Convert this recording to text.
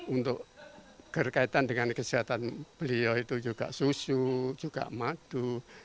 untuk kesehatan beliau itu juga susu juga madu